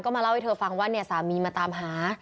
ก็มาเล่าให้เธอฟังว่าสามีมาตามหา